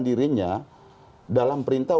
dirinya dalam perintah